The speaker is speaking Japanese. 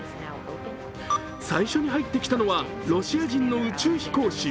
最初に入ってきたのはロシア人の宇宙飛行士。